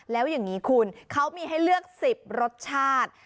แล้วอย่างนี้คุณเขามีให้เลือก๑๐รสชาติ